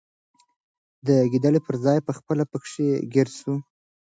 د ګیدړ پر ځای پخپله پکښي ګیر سو